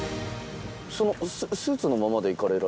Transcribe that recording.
そのスーツのままで行かれる？